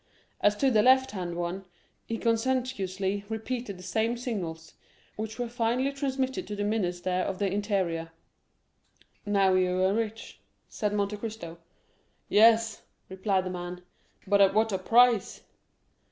As to the left hand one, he conscientiously repeated the same signals, which were finally transmitted to the Minister of the Interior. "Now you are rich," said Monte Cristo. "Yes," replied the man, "but at what a price!"